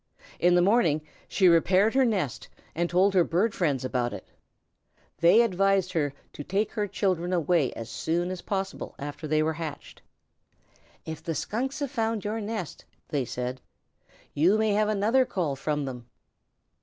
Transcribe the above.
In the morning she repaired her nest and told her bird friends about it. They advised her to take her children away as soon as possible after they were hatched. "If the Skunks have found your nest," they said, "you may have another call from them."